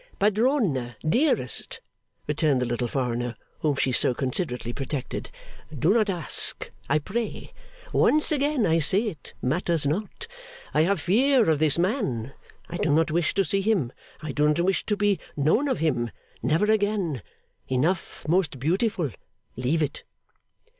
'Padrona, dearest,' returned the little foreigner whom she so considerately protected, 'do not ask, I pray. Once again I say it matters not. I have fear of this man. I do not wish to see him, I do not wish to be known of him never again! Enough, most beautiful. Leave it.